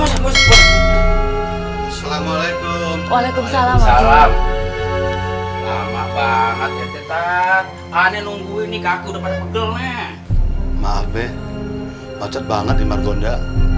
lama banget ya tetap aneh nungguin nih kaku udah pada pegel maaf be macet banget di margonda